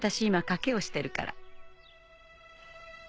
今賭けをしてるから。